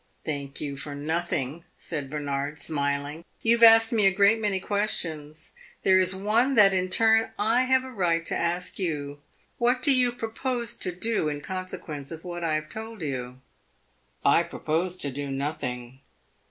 "Thank you for nothing," said Bernard, smiling. "You have asked me a great many questions; there is one that in turn I have a right to ask you. What do you propose to do in consequence of what I have told you?" "I propose to do nothing."